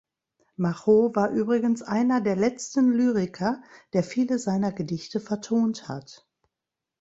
Machaut war übrigens einer der letzten Lyriker, der viele seiner Gedichte vertont hat.